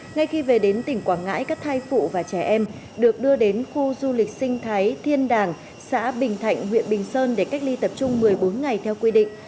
ngay khi về đến tỉnh quảng ngãi các thai phụ và trẻ em được đưa đến khu du lịch sinh thái thiên đàng xã bình thạnh huyện bình sơn để cách ly tập trung một mươi bốn ngày theo quy định